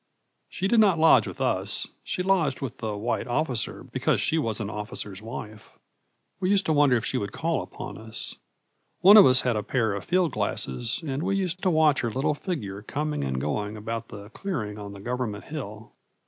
She did not lodge with us; she lodged with the white officer because she was an officer's wife. We used to wonder if she would call upon us. One of us had a pair of field glasses, and we used to watch her little figure coming and going about the clearing on the government hill.